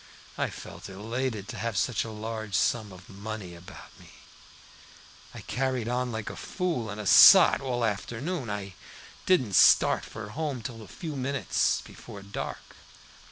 I felt elated at having such a large sum of money about me, and carried on like a fool and a sot all afternoon. I didn't start for home till a few minutes before dark.